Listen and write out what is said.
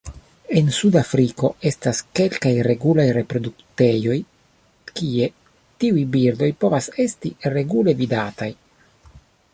En Sudafriko estas kelkaj regulaj reproduktejoj kie tiuj birdoj povas esti regule vidataj.